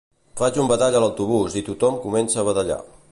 Faig un badall a l'autobús i tothom comença a badallar